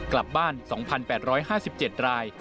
กลับบ้าน๒๘๕๗ราย